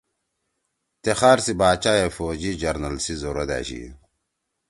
تے خار سی باچا ئے فوجی جرنل سی ضرورت أشی۔